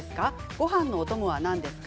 ごはんのお供は何ですか？